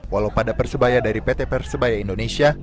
walau pada persebaya dari pt persebaya indonesia